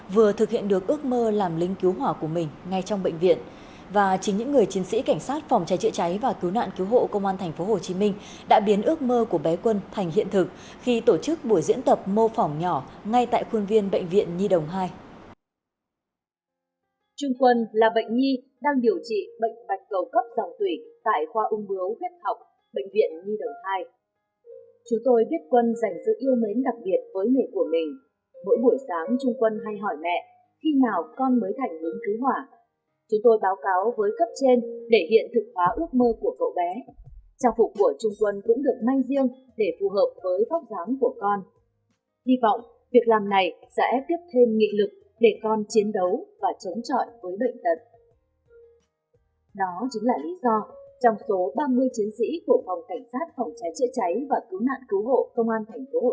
và hôm nay các anh những người lính phòng trái chữa cháy và cố nạn cứu hộ công an thành phố hồ chí minh đã và đang cố gắng biến những giấc mơ của trung quân nói riêng của các bệnh nhi ung thư nói chung thành sự thật nhiều hơn nữa